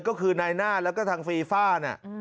ก็คือไนน่าแล้วก็ทางฟีฟ้า